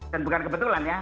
dan bukan kebetulan ya